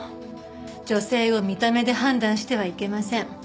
女性を見た目で判断してはいけません。